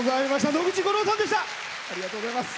野口五郎さんでした。